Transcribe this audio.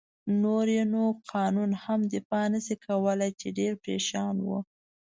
نور يې نو قانون هم دفاع نه شي کولای، چې ډېر پرېشان و.